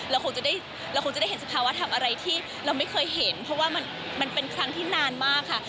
จะได้เราคงจะได้เห็นสภาวะทำอะไรที่เราไม่เคยเห็นเพราะว่ามันเป็นครั้งที่นานมากค่ะ